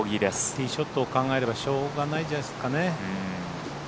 ティーショットを考えればしょうがないんじゃないですかね。